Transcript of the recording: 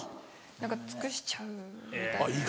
何か尽くしちゃうみたい。